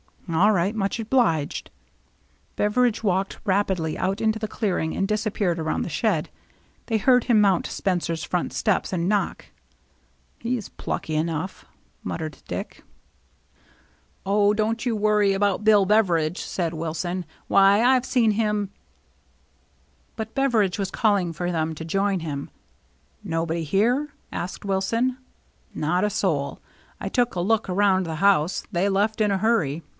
"All right. MuchobUged." Beveridge walked rapidly out into the clear ing and disappeared around the shed. They heard him mount Spencer's front steps and knock. " He's plucky enough," muttered Dick. THE CHASE BEGINS 249 " Oh, don't you worry about Bill Beveridge," said Wilson. " Why, I've seen him —'* But Beveridge was calling for them to join him. " Nobody here ?" asked Wilson. "Not a soul. I took a look around the house. They, left in a hurry.